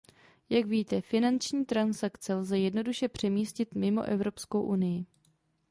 Jak víte, finanční transakce lze jednoduše přemístit mimo Evropskou unii.